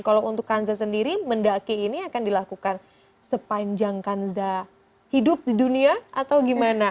kalau untuk kanza sendiri mendaki ini akan dilakukan sepanjang kanza hidup di dunia atau gimana